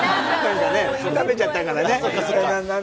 食べちゃったからね。